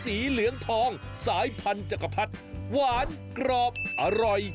สีเหลืองทองสายพันธุ์จักรพรรดิหวานกรอบอร่อย